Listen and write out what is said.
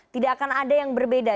tidak akan ada yang berbeda